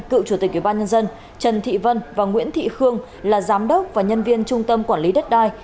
cựu chủ tịch ubnd trần thị vân và nguyễn thị khương là giám đốc và nhân viên trung tâm quản lý đất đai